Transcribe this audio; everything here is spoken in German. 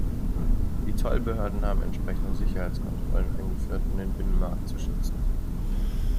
Die Zollbehörden haben entsprechende Sicherheitskontrollen eingeführt, um den Binnenmarkt zu schützen.